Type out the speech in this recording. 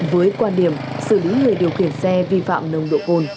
với quan điểm xử lý người điều khiển xe vi phạm nồng độ cồn